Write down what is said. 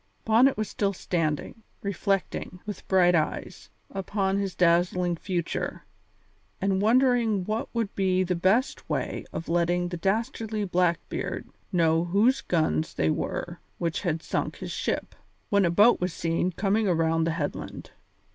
Bonnet was still standing, reflecting, with bright eyes, upon this dazzling future, and wondering what would be the best way of letting the dastardly Blackbeard know whose guns they were which had sunk his ship, when a boat was seen coming around the headland.